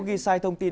ghi sai thông tin